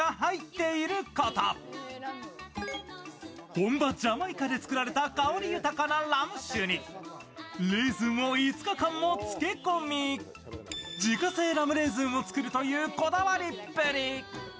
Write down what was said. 本場・ジャマイカで作られた香り豊かなラム酒に、レーズンを５日間も漬け込み自家製ラムレーズンを作るというこだわりっぷり。